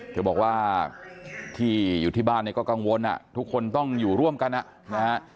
เธอบอกว่าที่อยู่ที่บ้านเนี่ยก็กังวลทุกคนต้องอยู่ร่วมกันนะฮะ